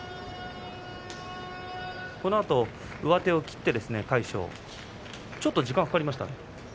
このあと上手を切って魁勝ちょっと時間がかかりました。